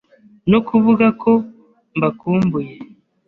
No kuvuga ko mbakumbuye